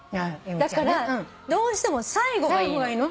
だからどうしても最後がいいの。